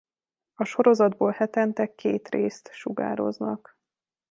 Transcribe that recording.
A sorozatból hetente két részt sugároznak.